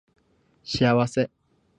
幸せ